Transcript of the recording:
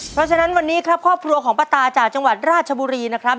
เพราะฉะนั้นวันนี้ครับครอบครัวของป้าตาจากจังหวัดราชบุรีนะครับ